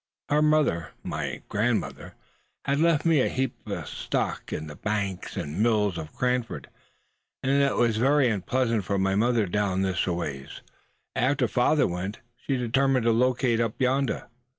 Her mother, my grandmother, had left me a heap of stock in the bank and mills of Cranford; and as it was very unpleasant for my mother down this aways, after father went, she had determined to locate up yondah."